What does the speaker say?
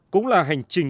cũng là hành trình